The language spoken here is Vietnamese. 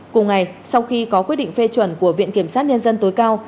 cùng ngày sau khi có quyết định phê chuẩn của viện kiểm sát nhân dân tối cao